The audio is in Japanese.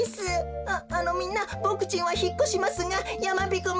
ああのみんなボクちんはひっこしますがやまびこ村。